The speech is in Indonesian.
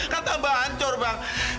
kan tambah hancur bang